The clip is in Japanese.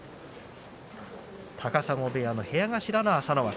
高砂部屋の部屋頭の朝乃若。